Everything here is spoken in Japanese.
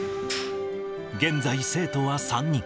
現在、生徒は３人。